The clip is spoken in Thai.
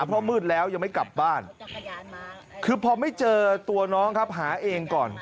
เพราะมืดแล้วยังไม่กลับบ้านคือพอไม่เจอตัวน้องครับหาเองก่อน